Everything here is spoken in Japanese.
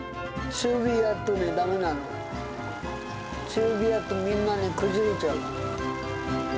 強火でやると、みんなね、崩れちゃうの。